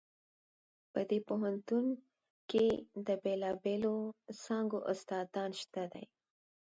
په دې پوهنتون کې د بیلابیلو څانګو استادان شته دي